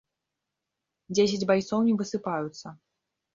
Дзесяць байцоў не высыпаюцца.